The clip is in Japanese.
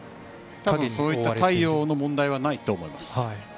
そういう太陽の問題はないと思います。